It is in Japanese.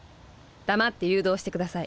黙って誘導してください。